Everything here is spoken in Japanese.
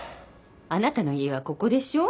あなたの家はここでしょ。